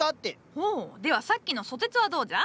ほうではさっきの蘇鉄はどうじゃ？